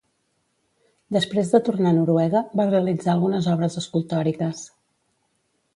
Després de tornar a Noruega, va realitzar algunes obres escultòriques.